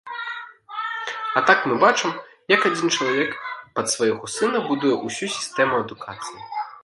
А так мы бачым, як адзін чалавек пад свайго сына будуе ўсю сістэму адукацыі.